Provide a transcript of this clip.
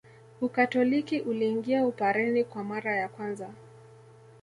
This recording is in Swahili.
Ukatoliki uliingia Upareni kwa mara ya kwanza